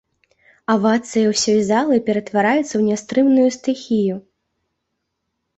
Авацыя ўсёй залы ператвараецца ў нястрымную стыхію.